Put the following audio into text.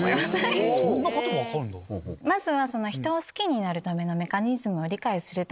まずは。